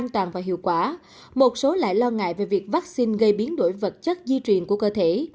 an toàn và hiệu quả một số lại lo ngại về việc vaccine gây biến đổi vật chất di truyền của cơ thể